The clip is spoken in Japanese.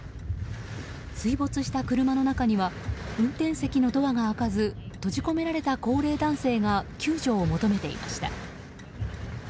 水没した車の中には運転席のドアが開かず閉じ込められた高齢男性が救助を求めていました。